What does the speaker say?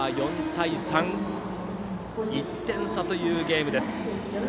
４対３１点差というゲームです。